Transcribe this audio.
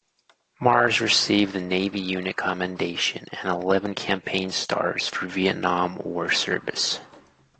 "Mars" received the Navy Unit Commendation and eleven campaign stars for Vietnam War service.